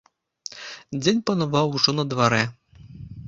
Дзень панаваў ужо на дварэ.